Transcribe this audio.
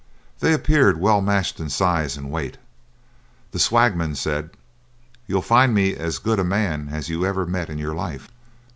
They appeared well matched in size and weight. The swagman said: "You'll find me as good a man as ever you met in your life."